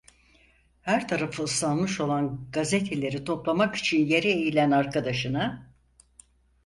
Her tarafı ıslanmış olan gazeteleri toplamak için yere eğilen arkadaşına: